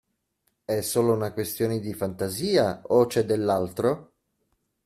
È solo una questione di fantasia o c'è dell'altro?